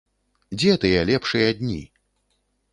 Дзе тыя лепшыя дні?